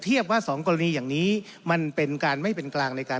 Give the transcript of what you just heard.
ว่าสองกรณีอย่างนี้มันเป็นการไม่เป็นกลางในการ